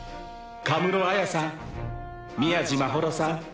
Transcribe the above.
神室絢さん宮路まほろさん